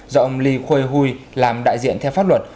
do ông lý khôi huy làm đại diện theo pháp luật